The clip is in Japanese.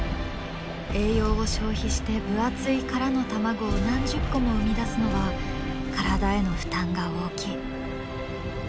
栄養を消費して分厚い殻の卵を何十個も産み出すのは体への負担が大きい。